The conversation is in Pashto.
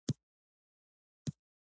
دا له حقیقت سره د انسانیت اصیل پیوند دی.